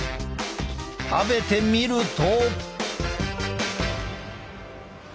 食べてみると。